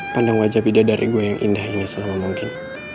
pandang wajah bidadari gue yang indah ini selama mungkin